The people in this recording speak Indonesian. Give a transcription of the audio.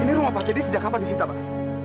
ini rumah pak jadi sejak kapan di sita pak